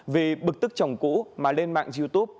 vì bực tức chồng cũ mà lên mạng youtube